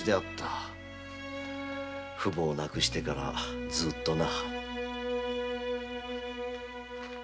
父母を亡くしてからずっとな。